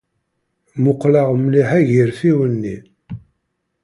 Muqleɣ mliḥ agerfiw-nni.